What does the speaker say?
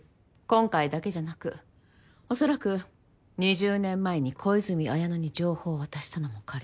今回だけじゃなくおそらく２０年前に小泉文乃に情報を渡したのも彼。